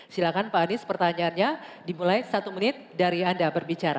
silahkan pak anies pertanyaannya dimulai satu menit dari anda berbicara